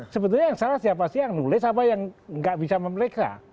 sebetulnya yang salah siapa sih yang nulis apa yang nggak bisa memeriksa